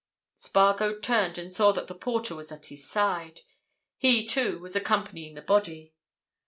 Spargo turned and saw that the porter was at his side. He, too, was accompanying the body.